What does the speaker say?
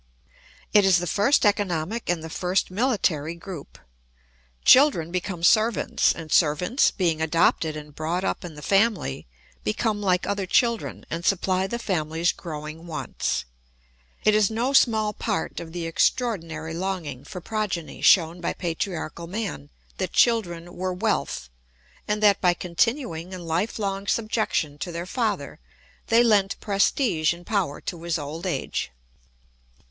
It is the first economic and the first military group. Children become servants, and servants, being adopted and brought up in the family, become like other children and supply the family's growing wants. It was no small part of the extraordinary longing for progeny shown by patriarchal man that children were wealth, and that by continuing in life long subjection to their father they lent prestige and power to his old age.